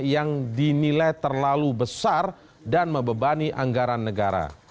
yang dinilai terlalu besar dan membebani anggaran negara